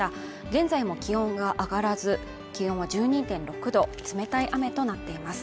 現在も気温が上がらず気温は１２．６度冷たい雨となっています